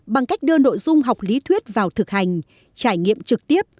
bằng cách đưa nội dung học lý thuyết vào thực hành trải nghiệm trực tiếp